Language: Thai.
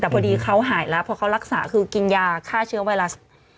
แต่พอดีเขาหายแล้วเพราะเขารักษาคือกินยาฆ่าเชื้อไวรัส